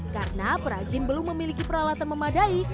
karena perajin belum memiliki peralatan memadai